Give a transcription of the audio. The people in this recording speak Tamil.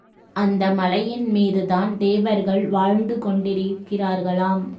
அந்த மலையின் மீதுதான் தேவர்கள் வாழ்ந்து கொண்டிருக்கிறார்களாம்.